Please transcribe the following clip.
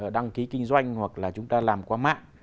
đăng ký kinh doanh hoặc là chúng ta làm qua mạng